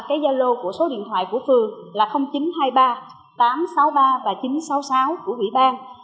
qua gia lô số điện thoại của phường là chín trăm hai mươi ba tám trăm sáu mươi ba chín trăm sáu mươi sáu của ủy ban